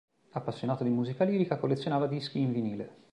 Appassionato di musica lirica, collezionava dischi in vinile.